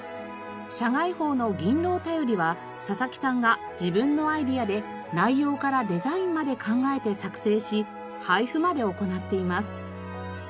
社外報の『銀ロウたより』は佐々木さんが自分のアイデアで内容からデザインまで考えて作成し配布まで行っています。